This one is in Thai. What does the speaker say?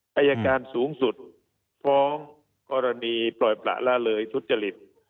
อายการสูงสุดฟ้องกรณีปล่อยประละเลยทุจริต